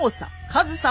上総